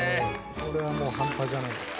これはもう半端じゃないです